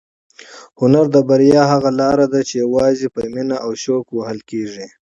هنر د بریا هغه لاره ده چې یوازې په مینه او شوق وهل کېږي.